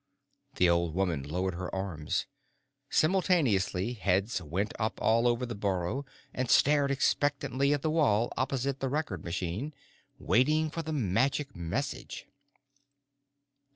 The old woman lowered her arms. Simultaneously, heads went up all over the burrow and stared expectantly at the wall opposite the record machine, waiting for the magic message.